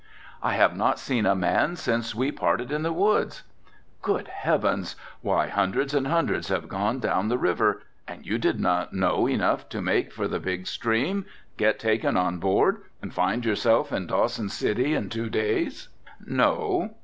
"I have not seen a man since we parted in the woods." "Good heavens! why hundreds and hundreds have gone down the river and you did not know enough to make for the big stream, get taken on board and find yourself in Dawson City in two days." "No."